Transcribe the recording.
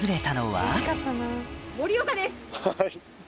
はい。